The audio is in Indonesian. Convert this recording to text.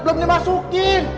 belum di masukkin